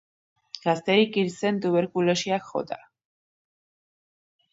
Gazterik hil zen tuberkulosiak jota.